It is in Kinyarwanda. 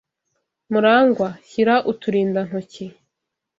Murangwa, shyira uturindantoki.